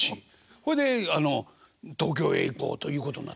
ほいで東京へ行こうということになったんですか？